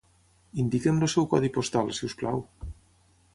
Indiqui'm el seu codi postal, si us plau.